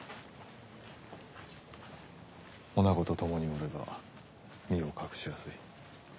おなごと共におれば身を隠しやすい。